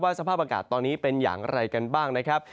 สภาพอากาศตอนนี้เป็นอย่างไรกันบ้างนะครับ